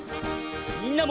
みんなも！